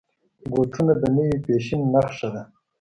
بوټونه د نوي فیشن نښه ده.